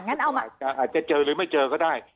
อาจจะเจอหรือไม่เจอก็ได้